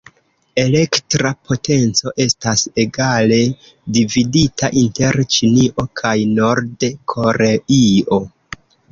Elektra potenco estas egale dividita inter Ĉinio kaj Nord-Koreio.